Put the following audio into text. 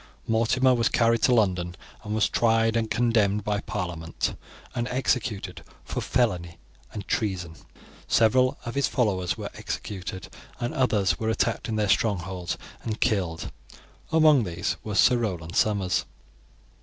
Mortimer was carried to London, and was tried and condemned by parliament, and executed for felony and treason. Several of his followers were executed, and others were attacked in their strongholds and killed; among these was Sir Roland Somers.